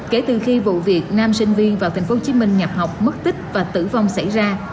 kể từ khi vụ việc nam sinh viên vào thành phố hồ chí minh nhập học mất tích và tử vong xảy ra